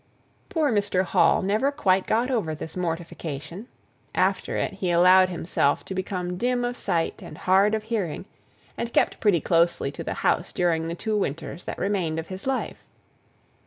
Poor Mr. Hall never quite got over this mortification; after it he allowed himself to become dim of sight and hard of hearing, and kept pretty closely to the house during the two winters that remained of his life.